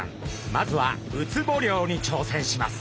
まずはウツボ漁に挑戦します。